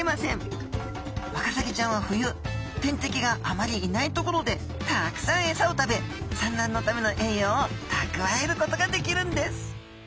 ワカサギちゃんは冬天敵があまりいない所でたくさんエサを食べ産卵のための栄養をたくわえることができるんです